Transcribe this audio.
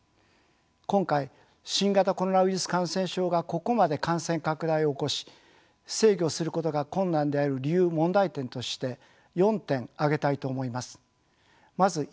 今回新型コロナウイルス感染症がここまで感染拡大を起こし制御することが困難である理由問題点として４点挙げたいと思います。